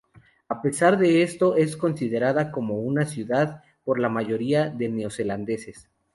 A pesar de esto, es considerada como una ciudad por la mayoría de neozelandeses.